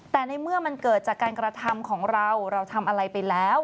แต่ในเมื่อมันเกิดจากการกระทำของเราเราทำอะไรไปแล้ว